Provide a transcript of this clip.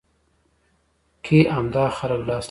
کې همدا خلک لاس لري.